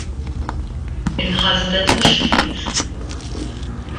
Inħasdet mhux ftit.